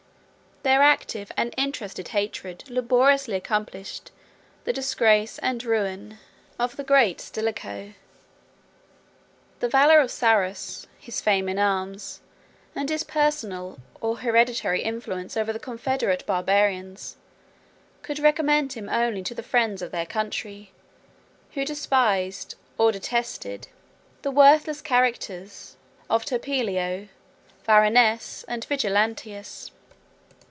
Their active and interested hatred laboriously accomplished the disgrace and ruin of the great Stilicho. The valor of Sarus, his fame in arms, and his personal, or hereditary, influence over the confederate Barbarians, could recommend him only to the friends of their country, who despised, or detested, the worthless characters of Turpilio, Varanes, and Vigilantius.